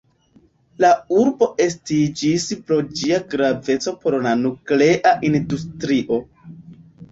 La urbo estiĝis pro ĝia graveco por la nuklea industrio.